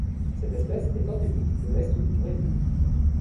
Cette espèce est endémique de l'Est du Brésil.